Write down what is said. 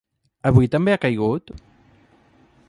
Avui també ha caigut?